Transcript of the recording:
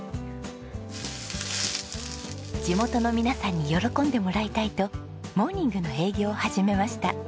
地元の皆さんに喜んでもらいたいとモーニングの営業を始めました。